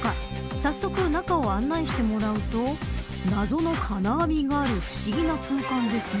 早速、中を案内してもらうと謎の金網のある不思議な空間ですが。